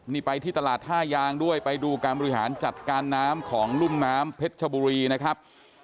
นี่ไปที่ตลาดท่ายางด้วยไปดูการบริหารจัดการน้ำของรุ่มน้ำเพชรชบุรีนะครับ